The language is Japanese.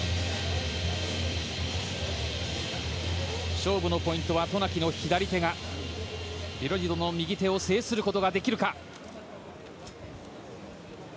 勝利のポイントは渡名喜の左手がビロディッドの右手を制することができるか。